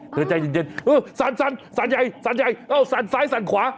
เธอใจเย็นสั่นสั่นใหญ่สั่นซ้ายสั่นขวา